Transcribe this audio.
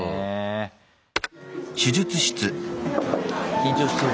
緊張してる。